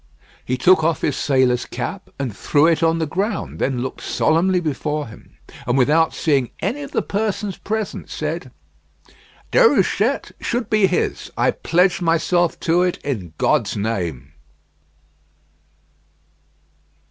He took off his sailor's cap, and threw it on the ground: then looked solemnly before him, and without seeing any of the persons present, said: "Déruchette should be his. I pledge myself to it in God's name."